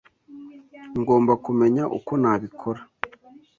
Ngomba kumenya uko nabikora.